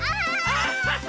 アッハハ！